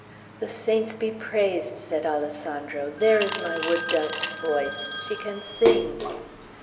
"The saints be praised," said Alessandro. "There is my wood dove's voice. She can sing!"